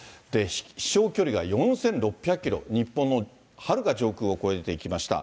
飛しょう距離が４６００キロ、日本のはるか上空を越えていきました。